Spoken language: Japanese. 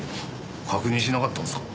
確認しなかったんですか？